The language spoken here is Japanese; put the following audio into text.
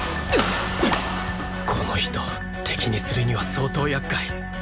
この人敵にするには相当厄介